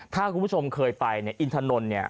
ถ้าคุณผู้ชมเคยไปเนี่ยอินทนนท์เนี่ย